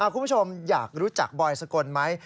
คุณผู้ชมอยากรู้จักบอยสกลไหม